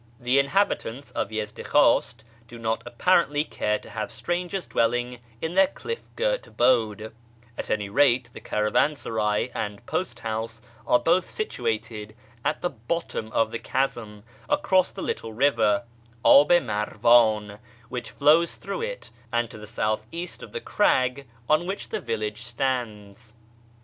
The inhabitants of Yezdikhwast do not apparently care to have strangers dwelling in their cliff girt abode; at any rate, the caravansaray and post house are both situated at the bottom of the chasm, across the little river (Ab i Marvan) which flows through it, and to the south east of the crag on which the village stands.